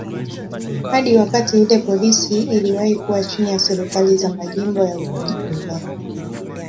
Hadi wakati ule polisi iliwahi kuwa chini ya serikali za majimbo ya Ujerumani.